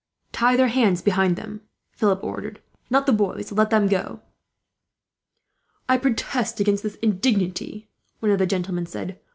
"Tie their hands behind them," Philip ordered. "Not the boys; let them go." "I protest against this indignity," one of the gentlemen said.